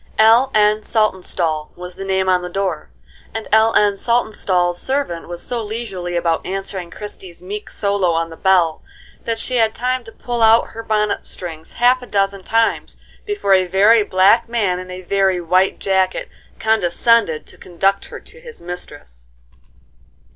"L. N. Saltonstall" was the name on the door, and L. N. Saltonstall's servant was so leisurely about answering Christie's meek solo on the bell, that she had time to pull out her bonnet strings half a dozen times before a very black man in a very white jacket condescended to conduct her to his mistress.